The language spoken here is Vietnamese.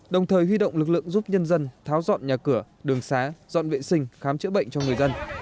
đồng thời huy động lực lượng giúp nhân dân tháo dọn nhà cửa đường xá dọn vệ sinh khám chữa bệnh cho người dân